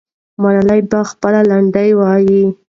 ملالۍ به خپلې لنډۍ وایي.